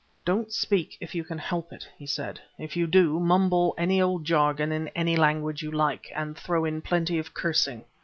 "Don't speak if you can help it," he said; "if you do, mumble any old jargon in any language you like, and throw in plenty of cursing!"